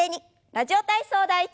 「ラジオ体操第１」。